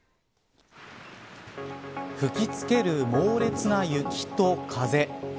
吹きつける猛烈な雪と風。